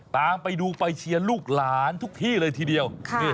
ตามไปดูไปเชียร์ลูกหลานทุกที่เลยทีเดียวเนี่ยเห็นมั้ย